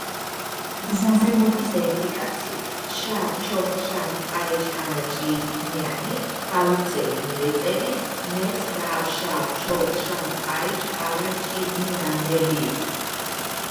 გზაზე მოდის ერთი კაცი, შავჩოხშავპაიჭკარაჭინიანი გავიქცევი მივეწევი მეც გავშავჩოხშავპაიჭკარაჭინიანდები